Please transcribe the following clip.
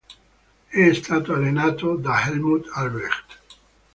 È stato allenato da Helmut Albrecht.